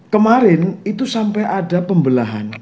kemarin itu sampai ada pembelahan